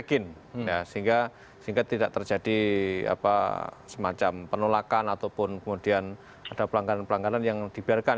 jadi cuekin ya sehingga tidak terjadi semacam penolakan ataupun kemudian ada pelanggan pelanggan yang dibiarkan